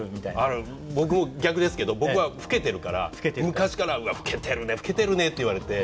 あれ僕逆ですけど僕は老けてるから昔から「うわっ老けてるね老けてるね」って言われて。